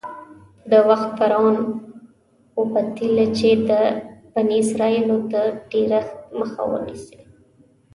د وخت فرعون وپتېیله چې د بني اسرایلو د ډېرښت مخه ونیسي.